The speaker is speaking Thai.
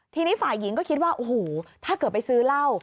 ทีนี้ฝ่ายหญิงก็คิดว่าโอ้โหถ้าเกิดไปซื้อเหล้า